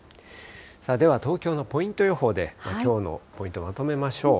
では東京のポイント予報で、きょうのポイントまとめましょう。